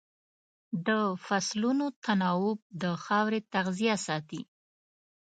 د فصلونو تناوب د خاورې تغذیه ساتي.